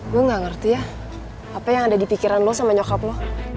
gue gak ngerti ya apa yang ada di pikiran lo sama nyokap lo